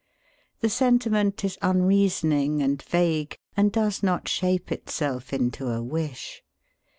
The sentiment is unreasoning and vague, and does not shape itself into a wish.